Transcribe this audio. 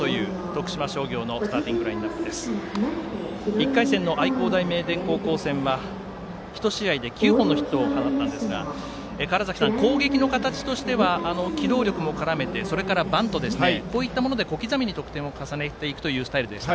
１回戦の愛工大名電高校戦は１試合で９本のヒットを放ったんですが川原崎さん、攻撃の形としては機動力も絡めてそれからバントこういったもので小刻みに得点を重ねていくというスタイルでした。